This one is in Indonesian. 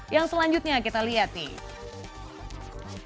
yang selanjutnya kita lihat nih